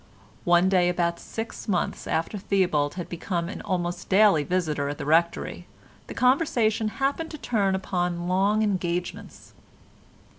One day about six months after Theobald had become an almost daily visitor at the Rectory the conversation happened to turn upon long engagements.